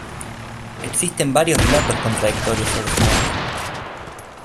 Existen varios relatos contradictorios sobre su muerte.